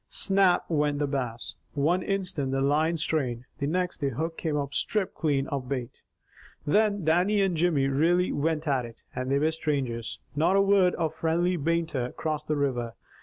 "Snap," went the Bass. One instant the line strained, the next the hook came up stripped clean of bait. Then Dannie and Jimmy really went at it, and they were strangers. Not a word of friendly banter crossed the river.